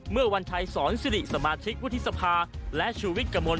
เมื่อวันไทยสรรสริสมาธิกวุฒิสภาและชูวิชกะมล